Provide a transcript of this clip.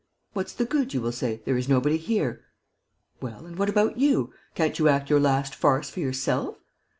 'What's the good?' you will say. 'There is nobody here.' Well ... and what about you? Can't you act your last farce for yourself?